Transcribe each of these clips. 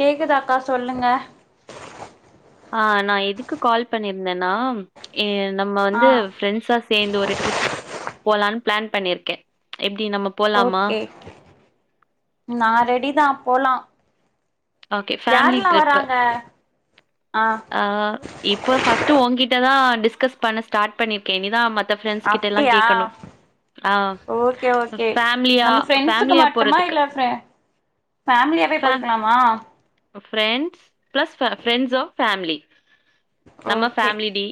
கேக்குதாக்கா சொல்லுங்க ஆ நா எதுக்கு கால் பண்ணியிருந்தேனா ஏ நம்ம ஆ வந்து ஃப்ரெண்ட்ஸா சேந்து ஒரு ட்ரிப் போலான் பிளான் பண்ணீர்க்கே எப்டி நம்ம போலாமா? ஓகே நா ரெடி தா போலா ஓகே ஃபேமிலி யார்ல்லா ட்ரிப்பு. வராங்க ஆ ஆ இப்ப ஃபஸ்ட்டு உங்கிட்ட தா டிஸ்கஸ் பண்ண ஸ்டாட் பண்ணீர்க்கே இனி தா மத் த ஃப்ரெண்ஸ்கிட்டல்லா அப்டியா கேக்கணு ஆ ஓகே அ ஓகே ஃபேம்லியா நம்ம ஃபேம்லியா போறதுக்கு ஃபேம்லியாவே ஃபே போய்க்கலாமா ஃப்ரெண்ட்ஸ் பிளஸ் ஃபர ஃப்ரெண்ட்ஸ் ஆப் ஃபேம்லி நம்ம ஓகே ஃபேம்லிடி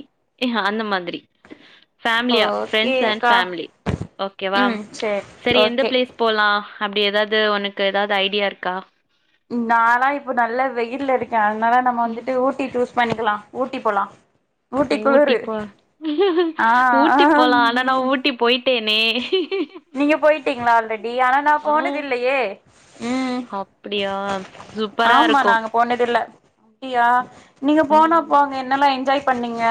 ஏ அந்த மாதிரி ஃபேம்லியா ஃப்ரெண்ட்ஸ் அண்ட் ஓகேக்கா ஃபேம்லி ஓகேவா ம் சேரி சரி எந்த ஓகே ப்ளேஸ் போலா அப்டி எதாவ்து உனக்கு எதாவ்து ஐடியா இருக்கா நாலா இப்ப நல்ல வெயில்ல இருக்கே அத்னால நம்ம வந்துட்டு ம் ஊட்டி சூஸ் பண்ணிக்கலா ஊட்டி போலா ஊட்டி போல் ஆ ஊட்டி போலா ஆனா நா ம் ஊட்டி போய் ட்டேனே நீங்க போய்ட்டீங்ளா ஆல்ரெடி ஆனா நா போனதில்லயே ம் அப்டியா சூப்பரா ஆமா இருக்கு நாங்க போனதில்ல அப்டியா நீங்க போனா ம் போங்க என்னல்லா என்ஜாய் பண்ணீங்க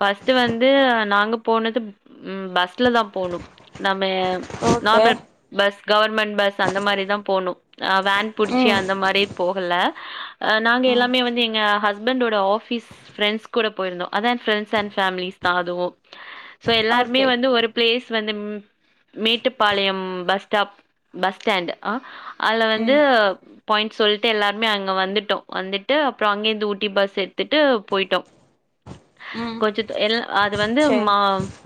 ஃபஸ்ட்டு வந்து நாங்க போனது ம் பஸ்ல தா போனோ நம்ம okay normal bus government bus அந்த மாரி தா போனோ அ வேன் புடிச்சி ம் அந்த மாரி போகல அ நாங்க ம் எல்லாமே வந்து எங்க ஹஸ்பண்டோட ஆஃபீஸ் ஃப்ரெண்ட்ஸ் கூட போயிருந்தோ அதா ஃப்ரெண்ட்ஸ் அண்ட் ஃபேம்லீஸ் தா அதுவு சோ எல்லார்மே ஓகே வந்து ஒரு ப்ளேஸ் வந்து ம் Mettupalayam bus stop bus stand அ அதுல வந்து ம் பாய்ண்ட்ஸ் சொல்ட்டு எல்லார்மே அங்க வந்துட்டோ வந்துட்டு அப்றோ அங்கிர்ந்து ஊட்டி பஸ் எத்துட்டு போய்ட்டோ ம் கொச்சித்து எல் அது வந்து சேரி மா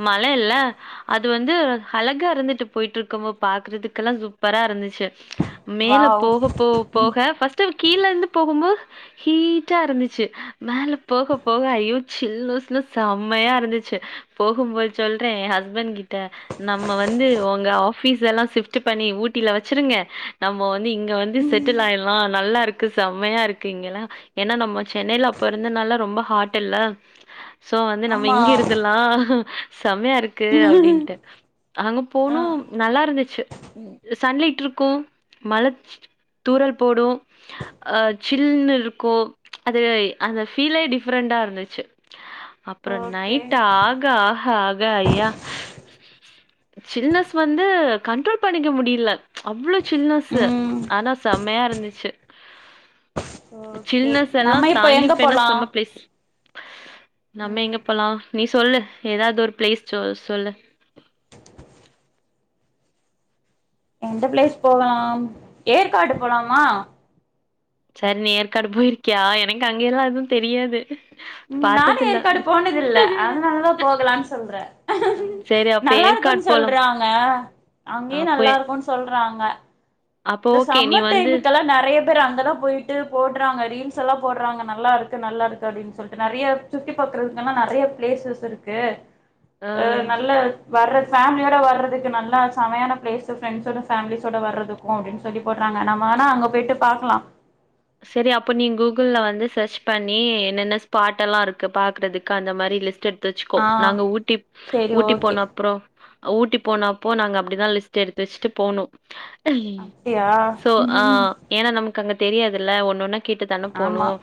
மல இல்ல அது வந்து அழகா இருந்துட்டு போய்ட்ருக்கும்மோ பாக்கறதுக்கெல்லா சூப்பரா இருந்துச்சி மேல வாவ் போக போ போக ஃபஸ்ட் டு கீழ இருந்து போகும்போ ஹீட்டா இருந்துச்சி மேல போக போக ஐயோ சில்லுனஸ்னஸ் செமயா இருந்துச்சி போகும்போ சொல்றே எ ஹஸ்பண்ட் கிட்ட நம்ம வந்து உங்க ஆஃபீஸ் எல்லா சிஃப்ட்டு பண்ணி ஊட்டில வச்சிருங்க நம்ம வந்து இங்க வந்து ம் செட்டில் ஆயர்லா நல்லாருக்கு செம்மயாருக்கு இங்கெல்லா ஏனா நம்ம சென்னைல அப்ப இருந்தனால ரொம்ப ஹாட் இல்ல சோ வந்து நம்ம ஆமா இங்கியே இருந்தர்லா செமயா இருக்கு அப்டின்ட்டு அங்க ஆ போனோ நல்லாருந்துச்சி ம் சன்லைட்ருக்கு மழ தூறல் போடு அ சில்னு இருக்கோ அது ஏ அந்த ஃபீலே டிஃப்ரெண்ட்டா இருந்துச்சு அப்றோ ஓகே நைட்டு ஆக ஆஹ ஆக ஐயா சில்னஸ் வந்து கண்ட்ரோல் பண்ணிக்க முடியில அவ்ளோ சில்னஸ்ஸு ம் ஆனா செம்மையா இருந்துச்சி ஓகே சில்னஸ் எல்லா நம்ம இப்ப எங்க தாங்கிப்பேனா போலா செம்ம ப்ளேஸ் நம்ம ம் எங்க போலா நீ சொல்லு ஏதாவ்தொரு ப்ளேஸ் சொல் சொல்லு எந்த ப்ளேஸ் போலாம் ஏற்காடு போலாமா சரி நீ ஏற்காடு போய்ர்க்கியா எனக்கு அங்கயெல்லா எது தெரியாது ம் நானு பாத்ததில்ல ஏற்காடு போனதில்ல அதுனால் தா போகலான் சொல்றே ம் சரி அப்ப நல்லா ஏற்காடு இருக்குன்னு போலாம் சொல்றாங்க அங்யே அப்போ நல்லா இருக்குன்னு சொல்றாங்க அப்போ இந்த ஓகே நீ சம்மர் வந்து டைமுக்கெல்லாம் நெறையப் யாப்பேர் அங்கதான் போய்ட்டு போடுறாங்க ரீல்ஸ்ஸலாம் போடுறாங்க நல்லா இருக்கு நல்லா இருக்கு அப்டின்னு சொல்ட்டு நறையா சுத்தி பாக்குறதுக்கெல்லாம் நறையா ப்ளேசஸ் இருக்கு ஆ அ நல்ல வர்ற ஃபேமிலியோட வர்றதுக்கு நல்லா சமையான பிளேஸஸ் ஃப்ரண்ட்ஸோட ஃபேமிலிஸ்ஸோட வர்றதுக்கு க்கோம் அப்டின்னு சொல்லி போடுறாங்க நம்ம வேனா அங்க போயிட்டு பாக்லாம் சரி அப்போ நீ கூகுல்ல வந்து சர்ச் பண்ணீ என்னென்ன ஸ்பாட் டெல்லாம் இருக்கு பாக்குறதுக்கு அந்த மாறி லிஸ்ட்டு எடு வச்சுக்கோ ஆ நாங்க ஊட்டி சேரி ஊட்டி ஓகே போன அப்றோம் ஊட்டி போனப்போ நாங்க அப்டிதான் லிஸ்ட் எடுத்து வெச்சுட்டு போணோம் ஈ அப்டியா சோ ஆ ம் ஏன்னா நமக்கு அங்க தெரியாதுல்ல ஒன்னு ஒன்னா கேட்டு தான ஆமா போனும்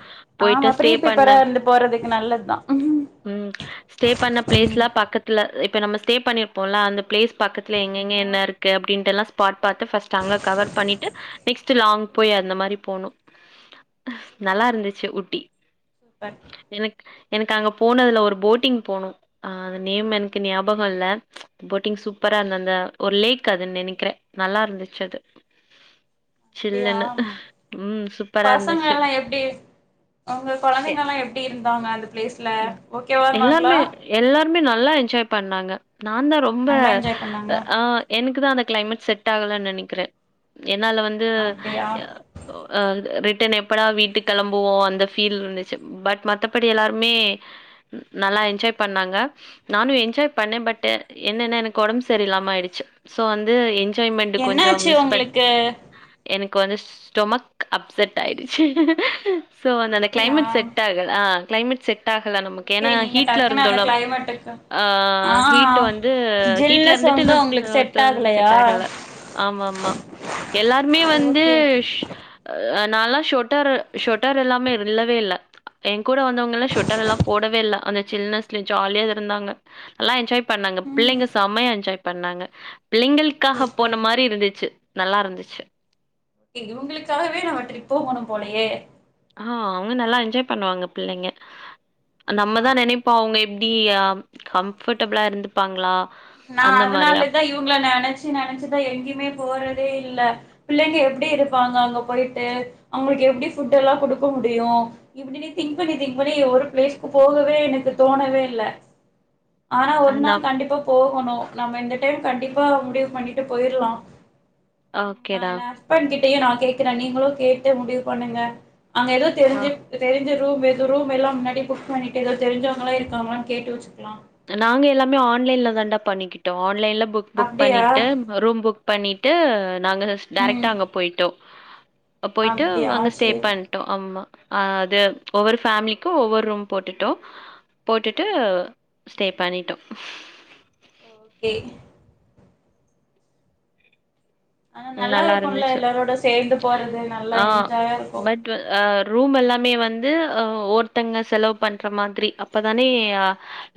ஆமா போய்ட்டு ப்ரீ ஸ்டே ப்ரிப்பரா பண்ண இருந்து போறதுக்கு நல்லதுதா ம் ம் ஸ்டே பண்ண ப்ளேஸ்லாம் பக்கத்துல இப்ப நம்ம ஸ்டே பண்ணிருப்போல்ல அந்த ப்ளேஸ் பக்கத்துல எங்கெங்க மா என்ன இருக்கு ஓகே அப்டின்டெல்லாம் ஸ்பாட் பாத்து ஃபஸ்ட் அங்க கவர் பண்ணிட்டு நெக்ஸ்ட் லாங் போய் அந்த மாநி போனோம் நல்லா இருந்துச்சு ஊட்டி சுப்பர் எனக்கு எனக்கு அங்க போனதுல ஒரு போட்டிங் போணம் அங் அது நேம் எனக்கு ஞாபகம் இல்ல போட்டிங் சூப்பரா இருந்த அந்த ஒரு லேக் அதுன்னு நினைக்கிறன் நல்லா இருந்துச்சு அது அப்டியா சில்லுன்னு ம் சூப்பரா பசங்க இருந்துச்சு. எல்லாம் எப்டி அவங்க எ கொழந்தங்கல்லாம் எப்டி இருந்தாங்க அந்த பிளேஸ்ல ஓகேவா இருந்தாங்களா எல்லாருமே எல்லாருமே நல்லா என்ஜாய் பண்ணாங்க நான்தான் ரொம் ரொம்ப நல்லா என்ஜாய் பண்ணாங்களா ஆ எனக்கு தான் அந்த கிளைமேட் செட் ஆகலனு நினைக்கிறன் என்னால வந்து அப்டியா ரிட்டர்ன் எப்படா வீட்டு கிளம்புவோம் அந்த ஃபீல் இருந்துச்சு பட் மத்தபடி எல்லாரும் மே நல்லா என்ஜாய் பண்ணாங்க நானும் என்ஜாய் பண்ணேன் பட் என்னன்ன எனக்கு உடம்பு சரியில்லாம ஆயிடுச்சு சோ வந்து என்ஜாய்மெண்ட் கொஞ்சம் என்னாச்சு மிஸ் பண் உங்களுக்கு எனக்கு வந்து ஸ்டொமக் அப்செட் ஆயிடுச்சு சோ வந்து அந்த அப்டியா கிளைமேட் செட் ஆகல அ கிளைமேட் செட் ஆகல நமக்கு ஓகே ஏன்னா நீங்க ஹீட்ல டக்குன்னு அந்த இருந்தோல்ல கிளைமேட்டுக்கு ஆ ஆ ஹீட் வந்து ஹீட்ல ஜில்னஸ் வந்து உங்களுக்கு செட் வந்துட்டு செட் ஆகலையா ஆகல ஆமா ஆமா எல்லாருமே வந்து ஓகே நால்லா ஷோட்டரு ஷோட்டரு இல்லாமே இல்லவே இல்ல என் கூட வந்தவங்க எல்லாம் ஷொட்டரெல்லாம் போடவே இல்ல அந்த சில்னஸ்ல ஜாலியா இருந்தாங்க நல்லா என்ஜாய் பண்ணாங்க ம் பிள்ளைங்க செம்மையா என்ஜாய் பண்ணாங்க பிள்ளைங்களுக்காஹ சூப்பர் போன மாறி இருந்துச்சு நல்லா இருந்துச்சு ஏய் இவுங்குளுக்காகவே நாம்ம ட்ரிப்பு போகணும் போலயே ஆ அவுங்க நல்லா என்ஜாய் பண்ணுவாங்க பிள்ளைங்க ஆமா நம்மதான் நினைப் இப்போ அவுங்க எப்டி ஆம் கம்ஃபர்ட்டபுளா இருந்துப்பாங்களா நா அந்த மாரி அப் அதனாலதான் இவுங்ள நெனச்சு நெனச்சு தான் எங்கயுமே போறதே இல்ல பிள்ளைங்க எப்டி இருப்பாங்க அங்க போய்ட்டு அவுங்ளுக்கு எப்டி ஃபுட் எல்லாம் குடுக்க முடியும் இப்டி நீ திங்க் பண்ணி திங்க் பண்ணி ஒரு பிளேஸ்க்கு போகவே எனக்கு தோணவே இல்ல கேட்கவில்லை ஆனா ஒரு நாள் கண்டிப்பா போகணு நம்ம இந்த டைம் கண்டிப்பா முடிவு பண்ணிட்டு போயிர்லா ஆ ஓகேடா. ஏனா ஸ்பெண்ட் கிட்டயு நா கேட்கிறே நீங்களு கேட்டு முடிவு பண்ணுங்க அங்க ஏதோ ஆ தெரிஞ்சு தெரிஞ்ச ரூம் எது ரூம் எல்லா முன்னாடி புக் பண்ணிட்டு ஏதோ தெரிஞ்சவங்களா இருக்காங்களான்னு கேட்டு வச்சுக்கலா நாங்க எல்லாமே ஆன்லைன்ல தான்டா பண்ணிக்கிட்டோ ஆன்லைன்ல புக் புக் அப்டியா பண்ணிட்டு ரூம் புக் பண்ணிட்டு நாங்க ம் டைரக்டா அங்க போயிட்டோ போய்ட்டு அப்டியா அங்க ஸ்டே சேரி பண் ஆமா அது ஒவ்வொரு பேமிலிக்கு ஒவ்வொரு ரூம் போட்டுட்டோ போட்டுட்டு ஸ்டே பண்ணிட்டோ ஹேய் ஆனா நல்லா இருக்கும்ல எல்லாரோட சேந்து போறது நல்லா ஆ என்ஜாயா இருக்கும் பட் அ ரூம் எல்லாமே வந்து அ ஒருத்தங்க செலவு பண்ற மாதிரி அப்பதானே அ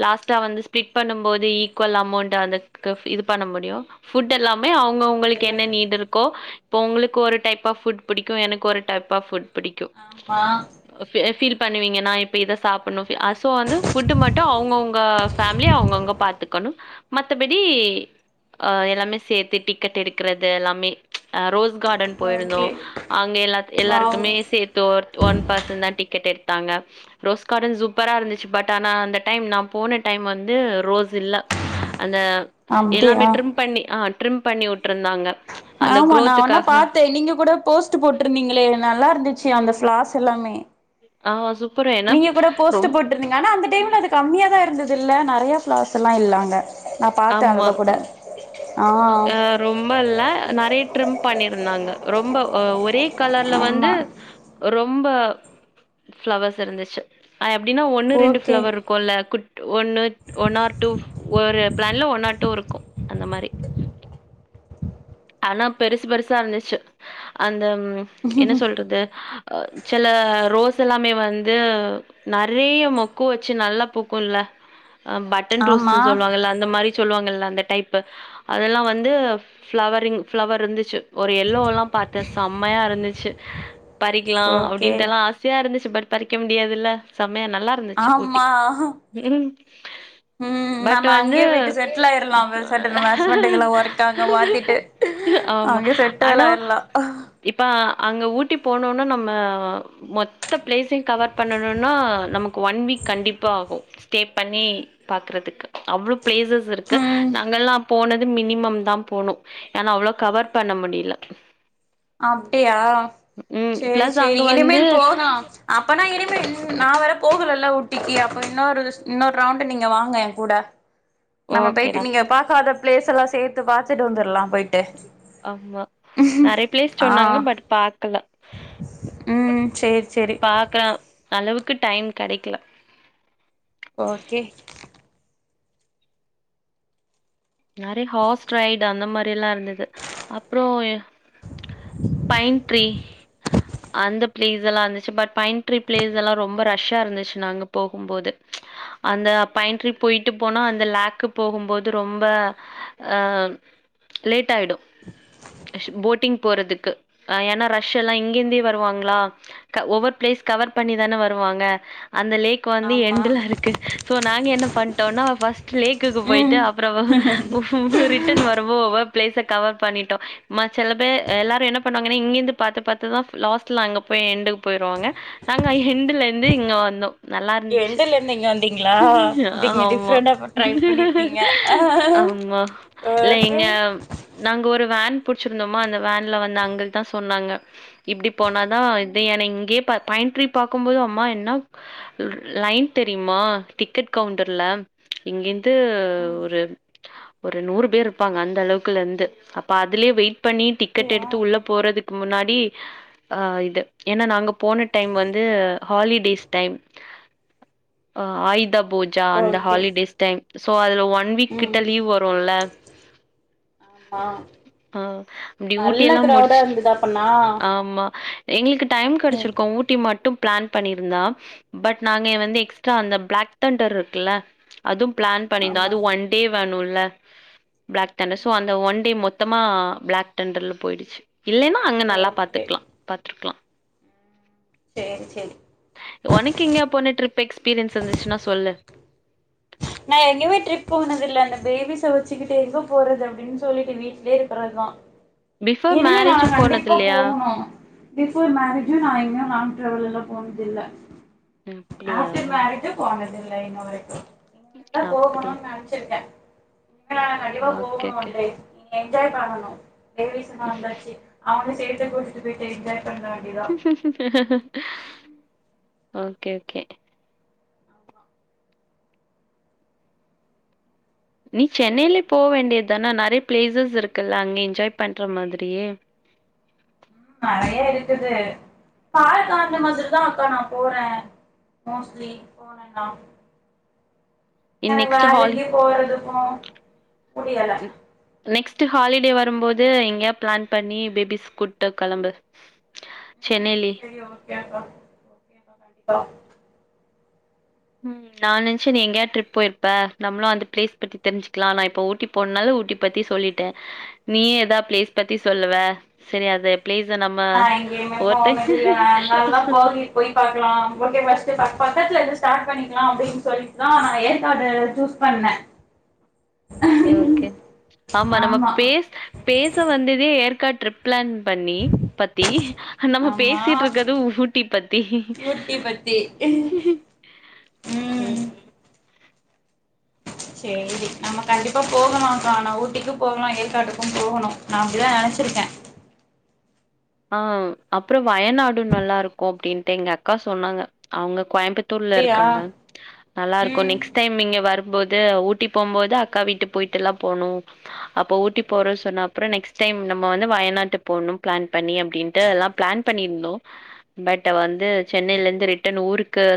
லாஸ்ட்டா வந்து ஸ்பிளிட் பண்ணம் போது ஈக்குவல் அமௌண்ட் அதுக்கு இது பண்ண முடியு ஃபுட் எல்லாமே அவங்க ஆமா அவுங்களுக்கு அதுல என்ன க- நீடு இருக்கோ இப்போ உங்களுக்கு ஒரு டைப் ஆஃப் ஃபுட் புடிக்கும் எனக்கு ஒரு டைப் ஆப் ஃபுட் புடிக்கும் ஆமா ஃபி ஃபீல் பண்ணுவீங்கன்னா இத சாப்பிடணு சோ வந்து ஃபுட்டு் மட்டு அவங்கவுங்க ஃபேமிலிய அவங்கவங்க பாத்துக்கணும் மத்தபடி எல்லாமே சேத்து டிக்கெட் எடுக்கிறது எல்லாமே ரோஸ் கார்டன் போயிருந்தோ ஓகே அங்க எல்லா வாவ் எல்லாருக்குமே சேத் தோ ஒன் பர்சன் தா டிக்கெட் எடுத்தாங்க ரோஸ் கார்டன் சூப்பரா இருந்துச்சு பட் ஆனா அந்த டைம் நா போன டைம் வந்து ரோஸ் இல்ல அந்த எல்லாமே அப்டியா ட்ரிம் பண்ணி ஆ ட்ரிம் பண்ணி விட்டுருந்தாங்க ஆமா நா ஒன்னா பார்த்தே நீங்க கூட போஸ்ட் போட்டிருந்தீங்களே நல்லா இருந்துச்சு அந்த ஃப்ளாஸ் எல்லாமே ஆ சூப்பரு ஏனா ங்க ஆனா அந்த டைம்ல அது கம்மியாதா இருந்ததுல்ல நெறைய ஃபிளார்ஸ்ல்லா இல்ல அங்க நா பாத்தே அதல கூட ஆ ஆ ரொம்ப இல்ல நெறைய ட்ரிம் பண்ணிருந்தாங்க ரொம்ப ஒரே கலர்ல வந்து ஆமா ரொம்ப ஃப்ளவர்ஸ் இருந்துச்சு ஆ எப்டின்னா ஒன்னு ரெண்டு ஓகே ஃப்ளவர் கொள குட் ஒன்னு ஒன் ஆர் டூ ஒரு பிளான்ல ஒன் ஆர் டூ இருக்கும் அந்த மாரி ஆனா பெருசு பெருசா இருந்துச்சு அந்த என்ன சொல்றது செல ரோஸ் எல்லாமே வந்து நறைய மொக்கு வச்சு நல்லா பூக்குல்ல ஆ பட்டன் ஆமா ரோஸ்ஸு சொல்லுவாங்கல்ல அந்த மாரி சொல்லுவாங்கல்ல அந்த டைப்பு அதெல்லா வந்து ஃப்ளவரிங் ஃப்ளவர் இருந்துச்சு ஒரு எல்லோல்லா பாத்தே செம்மையா இருந்துச்சு பறிக்லா ஓகே அப்படின்ட்டெல்லா ஆசையா இருந்துச்சு பட் பறிக்க முடியாதுல்ல செமையா நல்லா இருந்துச்சு ஊட்டி ஆமா ம் பட் நம்ம வந்து அங்கேயே போயிட்டு செட்டில் ஆயிரலா சட்ட நம்ம ஹஸ்பண்டுக்கெல்லா ஒர்க் அங்க மாத்திட்டு ஆமா அங்க செட்டில் ஆனா ஆயிரலா இப்ப அங்க ஊட்டி போனோன்ன நம்ம மொத்த பிளேஸையு கவர் பண்ணணுனா நமக்கு ஒன் வீக் கண்டிப்பா ஆகும் ஸ்டே பண்ணி பாக்கறதுக்கு அவ்ளோ பிளேசஸ் இருக்கு ம் நாங்கல்லா போனது மினிமம் தா போனோ ஏனா அவ்ளோ கவர் பண்ண முடியல அப்டியா ம் சேரி பிளஸ் சேரி அங்க வந்து இனிமேல் போகலா அப்பனா இனிமே நா வேற போகலல்ல ஊட்டிக்கு அப்போ இன்னொரு இன்னொரு ரவுண்டு நீங்க வாங்க ஏ கூட கேட்கவில்லை நம்ம போயிட்டு நீங்க பாக்காத பிளேஸ் எல்லா சேத்து பாத்துட்டு வந்துடலா போயிட்டு ஆமா நறைய பிளேஸ் ஆ சொன்னாங்க பட் பாக்கல ம் சேரி சேரி பாக்கலா அளவுக்கு டைம் கெடைக்கல ஓகே நெறைய ஹார்ஸ் ரைடு அந்த மாரில்லா இருந்தது அப்புறம் பயின் ட்ரீ அந்த பிளேஸ் எல்லா இருந்துச்சு பட் பயின்ட்ரி பிளேஸ் எல்லா ரொம்ப ரஷ்ஷா இருந்துச்சு நாங்க போகும்போது அந்த பயின்ட்ரி போயிட்டு போனா அந்த லாக்கு போகும்போது ரொம் ப அ லேட் ஆயிடு போட்டிங் போறதுக்கு ஏன்னா ரஷ் எல்லா இங்கேந்தே வருவாங்ளா ஒவ்வொர் பிளேஸ் கவர் பண்ணி தானே வருவாங்க அந்த லேக் கு வந்து ஆமா எண்டுல இருக்கு சோ நாங்க என்ன பண்ட்டோனா பஸ்ட் லேக்குக்கு போயிட்டு ம் அப்புறம் ரிட்டன் வருவோவ பிளேஸ கவர் பண்ணிட்டோ ம செல பே எல்லாரும் என்ன பண்ணுவாங்கன்னா இங்கிருந்து பாத்து பாத்துதா லாஸ்ட்ல அங்க போய் எண்டுக்கு போயிருவாங்க நாங்க எண்டுலந்து இங்க வந்தோ நல்லாருந்துச்சு எண்டல இருந்து இங்க வந்தீங்களா இது இங்க ஆமா டிஃப்ரெண்டா ட்ரை பண்ணிருக்கீங்க ஆமா இல்ல ஓகே எங்க நாங்க ஒரு வேன் புடிச்சிருந்தோமா அந்த வேன்ல வந்து அங்குள் தா சொன்னாங்க இப்டி போனாதா ம் இது ஏனா இங்கேயே ப பயின்ட்ரீ பாக்கும்போது அம்மா என்னப் லைன் தெரியுமா டிக்கெட் கவுண்டர்ல இங்கேந்து ம் ஒரு ஒரு நூறு பேர் இருப்பாங்க அந்த அளவுக்கு லெந்து அப்ப அதுலயே வெயிட் பண்ணி டிக்கெட் அப்டியா எடுத்து உள்ள போறதுக்கு முன்னாடி ஆ இது ஏன்னா நாங்க போன டைம் வந்து ஹாலிடேஸ் டைம் அ ஆயுத பூஜா அந்த ஓகே ஹாலிடேஸ் டைம் சோ அதுல ஒன் வீக் ம் ட்ட லீவ் வருல்ல ஆமா அ இப்டி ஊட்டி நல்ல எல்லாம் கிரௌடா முடிச்சு இருந்ததா அப்பனா ஆமா எங்களுக்கு டைம் ம் கெடைச்சிருக்கு ஊட்டி மட்டும் பிளான் பண்ணியிருந்தா பட் நாங்க வந்து எக்ஸ்ட்ரா அந்த பிளாக் தண்டர் இருக்குல்ல அதும் ப்ளான் பண்ணிருந்தோ ஆமா அது ஒன் டே வேணுல்ல ப்ளாக் டண்ட சோ அந்த ஒன் டே மொ த்தமா ப்ளாக் தண்டர்ல போயிடுச்சு இல்லேன்னா அங்க நல்லா ஓகே பாத்துக்கலா பாத்துருக்கலா சேரி சேரி உனக்கு எங்கயா போன ட்ரிப் எக்ஸ்பீரியன்ஸ் இருந்துச்சுன்னா சொல்லு நா எங்கயுமே ட்ரிப் போனதில்ல‌ இந்த பேபிஸ வச்சுக்கிட்டு எங்க போறது அப்டினு சொல்லிட்டு வீட்லே இருக்கறதுதா [inaudible] இனிமே நாம மேரேஜும் போனது கண்டிப்பா இல்லையா போகணு பிஃபோர் மேரேஜு நா எங்கயு லங் டிராவல் எல்லா போனதில்ல ஆஃப்டர் அப்டியா மேரஜு போனதில்ல இன்ன வரைக்கு அப்படியா? போகணுனு நென்ச்சிருக்கே ஆ கண்டிப்பா ஓகே, ஓகே. போகணும்டே என்ஜாய் பண்ண மாட்டோ பேபிஸ்னா வந்தாச்சு அவனு சேத்து கூட்டிட்டு போயிட்டு என்ஜாய் பண்ற ஓகே ஓகே ஆமா நீ சென்னையிலே போ அப்றோ என்ன வேண்டியதானா நெறைய ப்ளேசஸ் இருக்குல்ல அங்க என்ஜாய் பண்ற மாதிரியே நறையா இருக்குது கால காரணமா வெச்சுட்டு தா அக்கா நா போறே மோஸ்ட்லி போன எடோ [inaudible] எனக்கு நெக்ஸ்ட் வேற ஹாலி எங்கயு போறதுக்கு முடியல ம் நெக்ஸ்ட் ஹாலிடே வரும்போது எங்கயா பிளான் பண்ணி பேபிஸ் கூட்டு கெளம்பு ம் சென்னையிலே. செரி ஓகேக்கா ஓ கண்டிப்பா ம் நா நெனச்சே நீ எங்கயா ட்ரிப் போயிருப்ப நம்ளு அந்த பிளேஸ் பத்தி தெரிஞ்சிக்கலா நா இப்போ ஊட்டிப் போணால ஊட்டி பத்தி சொல்லிட்டே நீயு ஏதா பிளேஸ் பத்தி சொல்லுவ செரி அதெப் பிளேஸ்ஸ நம்ம நா எங்கேயுமே ஒரு டைம் போனது இல்ல அதனாலதா போகி போய் பாக்லா ஓகே ஃபஸ்ட்டு பக்கத்துல இருந்து ஸ்டார்ட் பண்ணிக்கலா அப்டின்னு சொல்லிட்டுதா நாங்க ஏற்காடு சூஸ் பண்ணே ஓகே ஓகே ஆமா நம்ம பேஸ் பேச வந்ததே ஏற்காடு ட்ரிப் ப்ளான் பண்ணி பத்தி நம்ம ஆமா பேசிட்டு இருக்கது ஊட்டி பத்தி ஊட்டி பத்தி ம் சேரி நம்ம கண்டிப்பா போகலாகா ஆனா ஊட்டிக்கு போகலா ஏற்காட்டுக்கு போகணு நா அப்டிதா நெனச்சிருக்கே ஆ அப்றோ வயநாடு நல்லா ருக்கு அப்டின்ட்டு எங்க அக்கா சொன்னாங்க அவுங்க கோயம்பத் தூர்ல அப்டியா இருக்காங்க நல்லா இருக்கு ம் நெக்ஸ் டைம் இங்க வரும்போது ஊட்டி போம்போது அக்கா வீட்டு போயிட்டு எல்லா போணு அப்போ ஊட்டி போறே சொன்ன அப்பறோ நெக்ஸ்ட் டைம் நம்ம வந்து வயநாட்டு போணு ப்ளான் பண்ணி அப்டின்டு அதல்லா ப்ளான் பண்ணிருந்தோ பட் வந்து சேரி சேரி சென்னைலருந்து ரிட்டன் ஊருக்கு